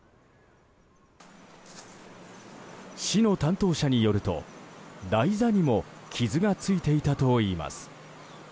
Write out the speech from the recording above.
市の担当者によると台座にも傷がついていたといいます。